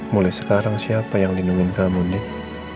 mulai sekarang siapa yang lindungi kamu nih